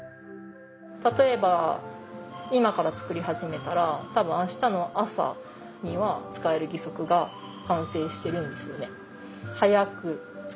例えば今から作り始めたら多分明日の朝には使える義足が完成しているんですよね。